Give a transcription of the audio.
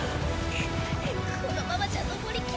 「このままじゃ登りきれない」